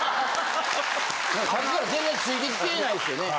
さっきから全然ついてきてないですよね。